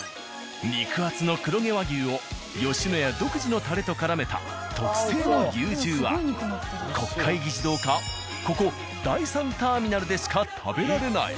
肉厚の黒毛和牛を「野家」独自のタレとからめた特製の牛重は国会議事堂かここ第３ターミナルでしか食べられない。